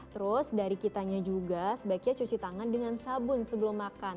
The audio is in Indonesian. terus dari kitanya juga sebaiknya cuci tangan dengan sabun sebelum makan